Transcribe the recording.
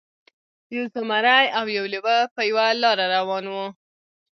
یو زمری او یو لیوه په یوه لاره روان وو.